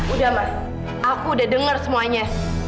udah mas aku udah denger semuanya